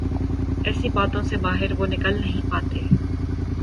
ایسی باتوں سے باہر وہ نکل نہیں پاتے۔